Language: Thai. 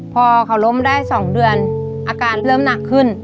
พอเขาล้มได้๒เดือนอาการเริ่มหนักขึ้น